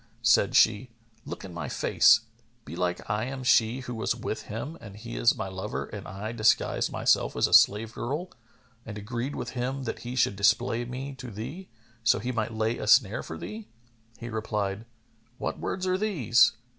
Said she, "Look in my face, belike I am she who was with him and he is my lover and I disguised myself as a slave girl and agreed with him that he should display me to thee, so he might lay a snare for thee." He replied, "What words are these?